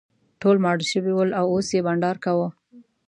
ټول ماړه شوي ول او اوس یې بانډار کاوه.